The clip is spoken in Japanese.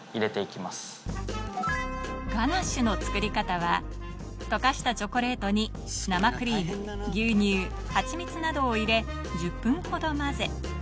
ガナッシュの作り方は溶かしたチョコレートに生クリーム牛乳ハチミツなどを入れ１０分ほど混ぜ